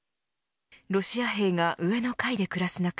ロシア兵が上の階で暮らす中